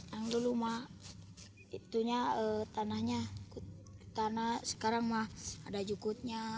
yang dulu mah itunya tanahnya tanah sekarang mah ada jukutnya